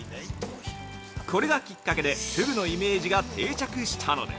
これがきっかけでふぐのイメージが定着したのです。